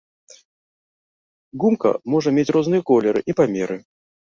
Гумка можа мець розныя колеры і памеры.